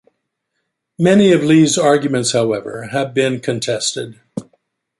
Many of Lee's arguments, however, have been contested.